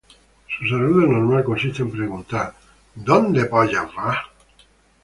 El saludo normal consiste en preguntar: "¿Dónde vas?